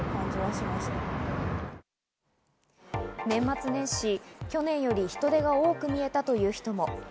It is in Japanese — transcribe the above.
年末年始、去年より人出が多く見えたという人も。